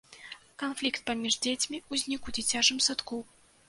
Канфлікт паміж дзецьмі ўзнік у дзіцячым садку.